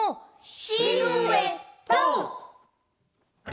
シルエット！